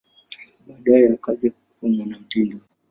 Baadaye akaja kuwa mwanamitindo.